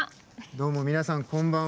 どうも皆さんこんばんは。